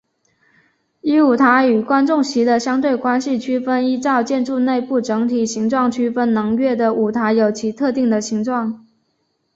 依舞台与观众席的相对关系区分依照建筑内部整体形状区分能乐的舞台有其特定的形状。